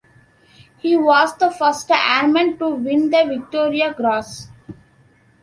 He was the first airman to win the Victoria Cross.